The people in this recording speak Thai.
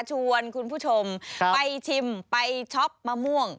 ชวนคุณผู้ชมไปชิมไปช็อปมะม่วง